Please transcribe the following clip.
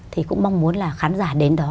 thì cũng mong muốn là khán giả đến đó